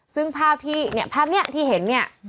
ซึ่งภาพที่เห็น